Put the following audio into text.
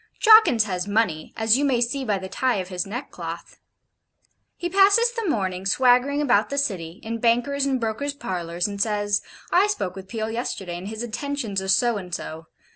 Jawkins has money, as you may see by the tie of his neckcloth. He passes the morning swaggering about the City, in bankers' and brokers parlours, and says: 'I spoke with Peel yesterday, and his intentions are so and so.